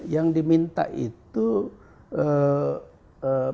yang diminta itu eee